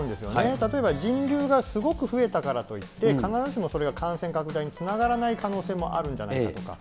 例えば、人流がすごく増えたからといって、必ずしもそれが感染拡大につながらない可能性もあるんじゃないかとか。